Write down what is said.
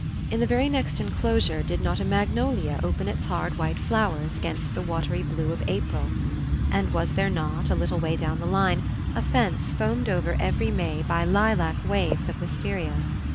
In the very next enclosure did not a magnolia open its hard white flowers against the watery blue of April? And was there not, a little way down the line, a fence foamed over every May be lilac waves of wistaria?